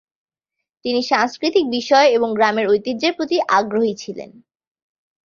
তিনি সাংস্কৃতিক বিষয় এবং গ্রামের ঐতিহ্যের প্রতি আগ্রহী ছিলেন।